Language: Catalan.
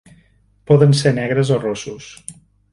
Poden ser negres o rossos.